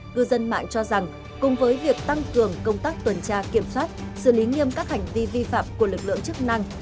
cư dân mạng cho rằng cùng với việc tăng cường công tác tuần tra kiểm soát xử lý nghiêm các hành vi vi phạm của lực lượng chức năng